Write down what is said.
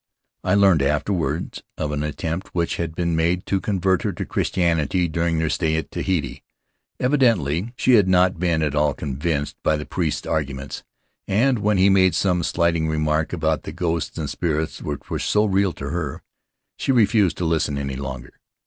I learned afterward of an attempt which had been made to con vert her to Christianity during her stay at Tahiti. Evidently she had not been at all convinced by the priest's arguments, and when he made some slighting remark about the ghosts and spirits which were so real to her, she refused to listen any longer.